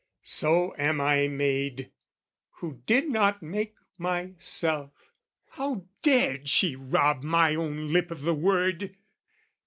So am I made, "who did not make myself:" (How dared she rob my own lip of the word?)